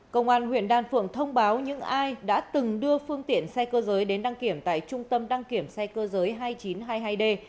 công an huyện đan phượng thông báo những ai đã từng đưa phương tiện xe cơ giới đến đăng kiểm tại trung tâm đăng kiểm xe cơ giới hai nghìn chín trăm hai mươi hai d